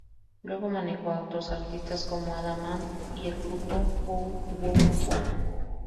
Luego manejó a otros artistas como Adam Ant y el grupo Bow Wow Wow.